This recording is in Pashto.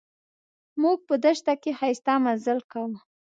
موږ په دښته کې ښایسته مزل کاوه.